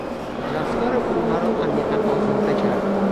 رفتار او مرا عمیقا آزرده کرد.